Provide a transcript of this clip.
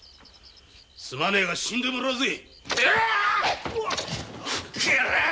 すまねぇが死んでもらうぜ。